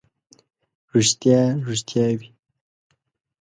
ریښتیا، ریښتیا وي.